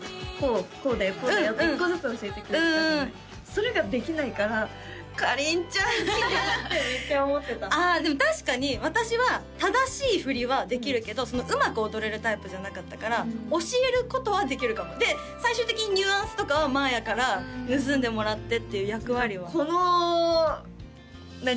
「こうだよこうだよ」って１個ずつ教えてくれてたじゃないうんうんそれができないから「かりんちゃん来て！」ってめっちゃ思ってたああでも確かに私は正しい振りはできるけどうまく踊れるタイプじゃなかったから教えることはできるかもで最終的にニュアンスとかはまあやから盗んでもらってっていう役割はこの何？